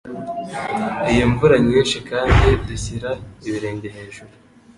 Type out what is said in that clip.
iyi mvura nyinshi kandi dushyira ibirenge hejuru